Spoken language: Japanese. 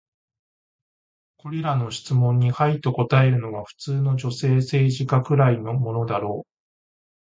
これらの質問に「はい」と答えるのは、普通の女性政治家くらいのものだろう。